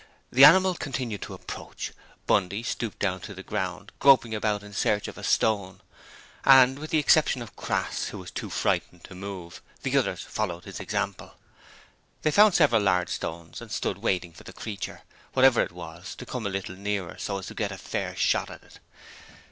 The animal continued to approach. Bundy stooped down to the ground, groping about in search of a stone, and with the exception of Crass, who was too frightened to move the others followed his example. They found several large stones and stood waiting for the creature whatever it was to come a little nearer so as to get a fair shot at it.